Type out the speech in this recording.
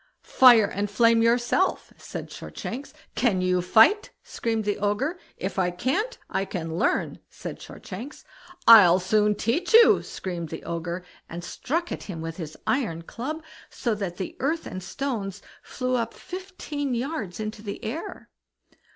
"Fire and flame yourself!" said Shortshanks. "Can you fight?" screamed the Ogre. "If I can't, I can learn", said Shortshanks. "I'll soon teach you", screamed the Ogre, and struck at him with his iron club, so that the earth and stones flew up fifteen yards into the air.